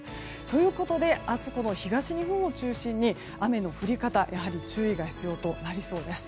ということで明日、東日本を中心に雨の降り方に注意が必要となりそうです。